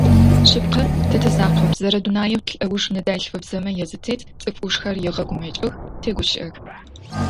Шъыпкъэ, тэ тизакъоп, зэрэдунаеу лӏэуж ныдэлъфыбзэмэ язытет цӏыф ӏушхэр егъэгумэкӏых, тегущыӏэх.